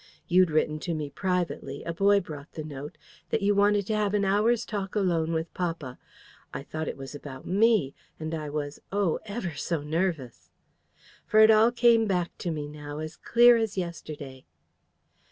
You'd written to me privately a boy brought the note that you wanted to have an hour's talk alone with papa. I thought it was about ME, and I was, oh, ever so nervous!" For it all came back to me now, as clear as yesterday.